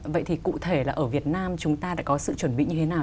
vậy thì cụ thể là ở việt nam chúng ta đã có sự chuẩn bị như thế nào